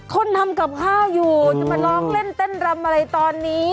คนทำกับข้าวอยู่จะมาร้องเล่นเต้นรำอะไรตอนนี้